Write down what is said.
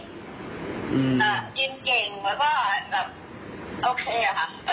กินเก่งแล้วก็แบบโอเคค่ะ